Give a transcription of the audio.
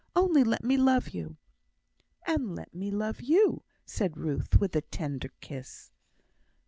Only let me love you." "And let me love you!" said Ruth, with a tender kiss.